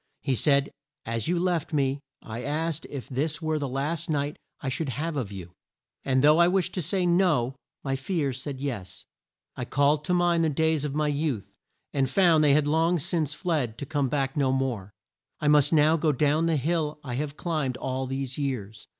He said, "As you left me, I asked if this were the last sight I should have of you. And though I wished to say 'No,' my fears said 'Yes.' I called to mind the days of my youth and found they had long since fled to come back no more. I must now go down the hill I have climbed all these years.